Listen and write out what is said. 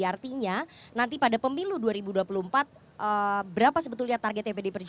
artinya nanti pada pemilu dua ribu dua puluh empat berapa sebetulnya targetnya pdi perjuangan